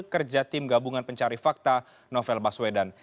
kerja tim gabungan pencari fakta novel baswedan